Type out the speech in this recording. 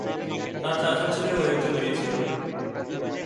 তার চারজন ছেলে ও একজন মেয়ে ছিল।